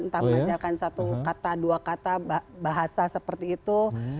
entah mengajarkan satu kata dua kata bahasa seperti itu